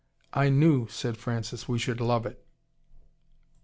"I knew," said Francis, "we should love it."